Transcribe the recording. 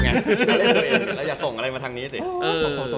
แล้วอย่าส่งอะไรมาทางนี้สิ